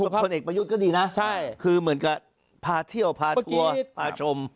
คนเอกประยุทธ์ก็ดีนะคือเหมือนกับพาเที่ยวพาทัวร์พาชม